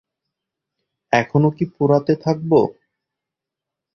এখনও কি পোড়াতে থাকবো?